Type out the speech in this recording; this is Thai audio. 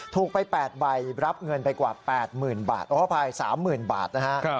ถูกไป๘ใบรับเงินไปกว่า๘๐๐๐บาทขออภัย๓๐๐๐บาทนะฮะ